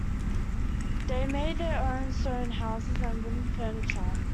They made their own stone houses and wooden furniture.